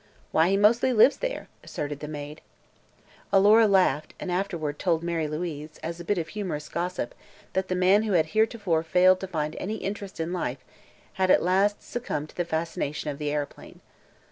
"Why, he mostly lives there," asserted the maid. Alora laughed, and afterward told Mary Louise, as a bit of humorous gossip, that the man who had heretofore failed to find any interest in life had at last succumbed to the fascination of the aeroplane.